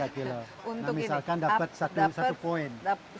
nah misalkan dapat satu poin